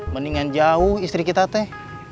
mendingan jauh istri kita teh